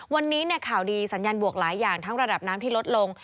วันนี้ข่าวดีสัญญาณบวกหลายอย่างทั้งระดับน้ำที่ลดลง